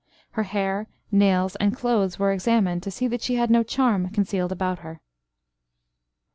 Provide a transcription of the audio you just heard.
Her hair, nails, and clothes were examined, to see that she had no charm concealed about her.